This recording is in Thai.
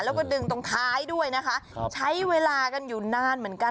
แล้วก็ดึงตรงท้ายด้วยนะคะใช้เวลากันอยู่นานเหมือนกัน